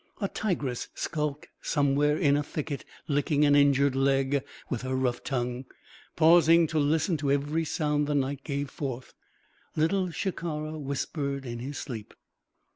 A tigress skulked somewhere in a thicket licking an injured leg with her rough tongue, pausing to listen to every sound the night gave forth. Little Shikara whispered in his sleep.